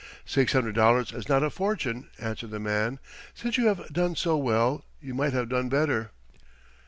"Six hundred dollars is not a fortune," answered the man. "Since you have done so well you might have done better."